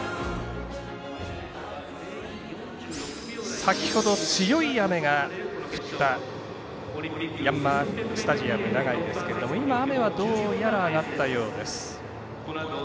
先ほど強い雨が降ったヤンマースタジアム長居ですが今、雨はどうやらやんだようです。